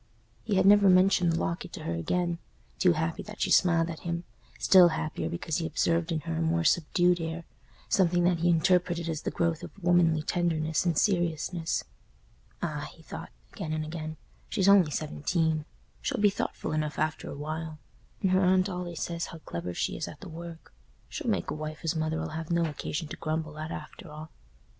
He had never mentioned the locket to her again; too happy that she smiled at him—still happier because he observed in her a more subdued air, something that he interpreted as the growth of womanly tenderness and seriousness. "Ah!" he thought, again and again, "she's only seventeen; she'll be thoughtful enough after a while. And her aunt allays says how clever she is at the work. She'll make a wife as Mother'll have no occasion to grumble at, after all."